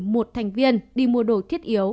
một thành viên đi mua đồ thiết yếu